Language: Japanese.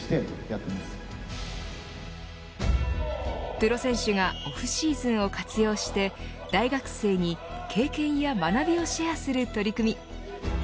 プロ選手がオフシーズンを活用して大学生に経験や学びをシェアする取り組み